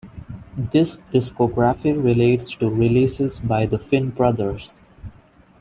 This discography relates to releases by The Finn Brothers.